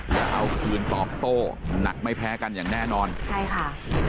จะเอาคืนตอบโต้หนักไม่แพ้กันอย่างแน่นอนใช่ค่ะ